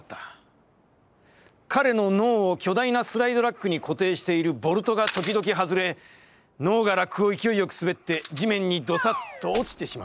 彼の脳を巨大なスライド・ラックに固定しているボルトがときどきはずれ、脳がラックを勢いよく滑って、地面にどさっと落ちてしまうのだ。